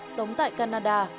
sống tại canada